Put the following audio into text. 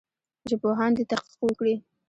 ژبپوهان دي تحقیق وکړي.